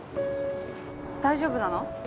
大丈夫なの？